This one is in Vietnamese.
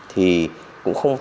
thì cũng không có thể